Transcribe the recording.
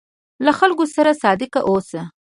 له خلکو سره صادق اوسه.